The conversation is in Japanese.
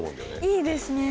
いいですねそれ。